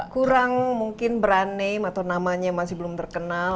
kurang mungkin brand name atau namanya masih belum terkenal